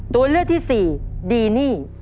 ตัวเลือกที่สี่ดีนี่